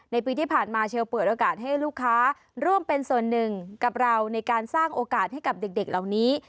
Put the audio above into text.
ปีที่ผ่านมาเชลเปิดโอกาสให้ลูกค้าร่วมเป็นส่วนหนึ่งกับเราในการสร้างโอกาสให้กับเด็กเหล่านี้